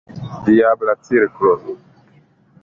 Diabla cirklo!